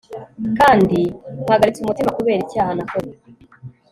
kandi mpagaritse umutima kubera icyaha nakoze